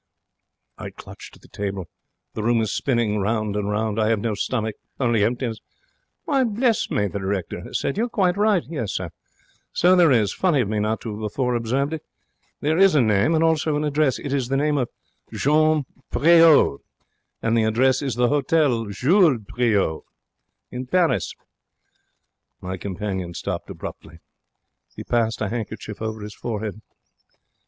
I clutch at the table. The room is spinning round and round. I have no stomach only emptiness. 'Why, bless me,' the directeur has said, 'you're quite right, sir. So there is. Funny of me not to have before observed it. There is a name, and also an address. It is the name of Jean Priaulx, and the address is the Hotel Jules Priaulx, Paris.' My companion stopped abruptly. He passed a handkerchief over his forehead.